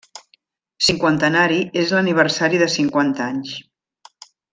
Cinquantenari és l'aniversari de cinquanta anys.